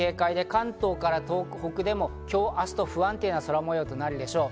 関東から東北でも今日、明日と不安定な空模様となるでしょう。